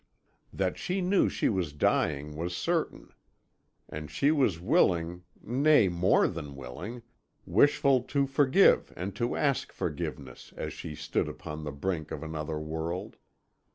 "That she knew she was dying was certain, and she was willing nay more than willing, wishful to forgive and to ask forgiveness as she stood upon the brink of another world.